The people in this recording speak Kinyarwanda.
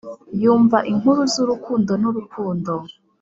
yumva inkuru zurukundo nurukundo